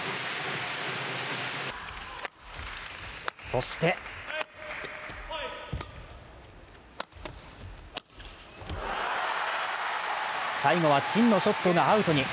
そして最後は、陳のショットがアウトに。